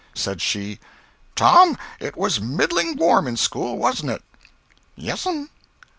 Said she: "Tom, it was middling warm in school, warn't it?" "Yes'm."